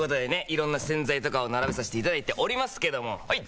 色んな洗剤とかを並べさせていただいておりますけどもはい！